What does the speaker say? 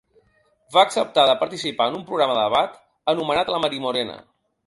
Va acceptar de participar en un programa de debat anomenat ‘La Marimorena’.